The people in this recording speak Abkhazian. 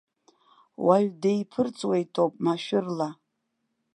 Уаҩ деиԥырҵуеитоуп машәырла.